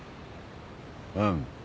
うん。